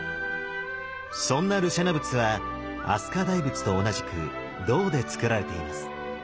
そんな盧舎那仏は飛鳥大仏と同じく銅でつくられています。